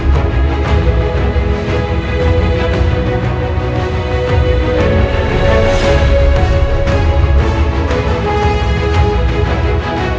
โปรดติดตามตอนต่อไป